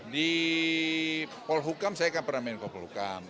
di polhukam saya kan pernah menko polhukam